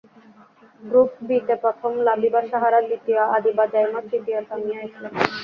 Group বিতে প্রথম লাবিবা সাহারা, দ্বিতীয় আদিবা জাইমা, তৃতীয় সামিয়া ইসলাম।